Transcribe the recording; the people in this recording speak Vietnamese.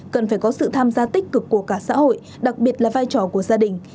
cần phải có sự tham gia tích cực của cả xã hội đặc biệt là vai trò của gia đình